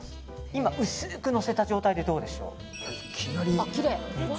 今、薄くのせた状態でどうでしょう。